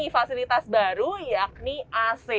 fasilitas baru yakni ac